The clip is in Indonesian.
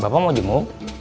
bapak mau jamu